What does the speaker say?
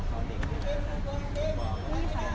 ไม่ใช่นี่คือบ้านของคนที่เคยดื่มอยู่หรือเปล่า